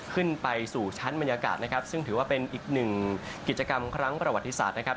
ขึ้นไปสู่ชั้นบรรยากาศนะครับซึ่งถือว่าเป็นอีกหนึ่งกิจกรรมครั้งประวัติศาสตร์นะครับ